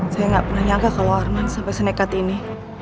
saya nggak pernah nyangka kalau arman sampai senekat ini